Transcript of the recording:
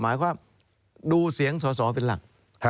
หมายความดูเสียงสอสอเป็นหลัก